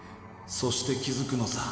そして気づくのさ。